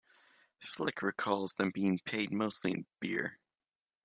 Flick recalls them being paid mostly in beer.